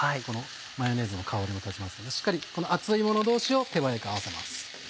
マヨネーズの香りも立ちますんでしっかり熱いもの同士を手早く合わせます。